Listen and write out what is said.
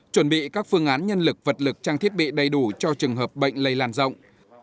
chuẩn bị các phương án nhân lực vật lực trang thiết bị đầy đủ cho trường hợp bệnh lây lan rộng